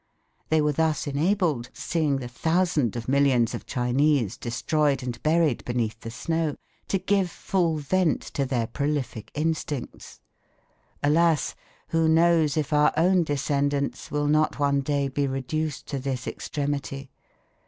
They were thus enabled, seeing the thousand of millions of Chinese destroyed and buried beneath the snow, to give full vent to their prolific instincts. Alas! who knows if our own descendants will not one day be reduced to this extremity?